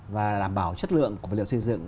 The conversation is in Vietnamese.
và đảm bảo chất lượng của vật liệu xây dựng